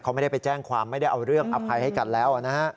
เขาไม่ได้ไปแจ้งความไม่ได้เอาเรื่องอภัยให้กันแล้วนะฮะ